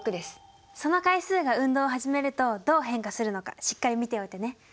その回数が運動を始めるとどう変化するのかしっかり見ておいてね。